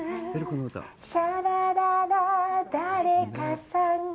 「シャラララだれかさんが」